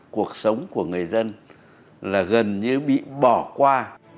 cuộc sống của người dân là gần như bị bỏ qua